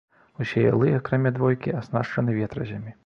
Усе ялы, акрамя двойкі, аснашчаны ветразямі.